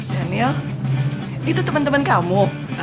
daniel itu temen temen kamu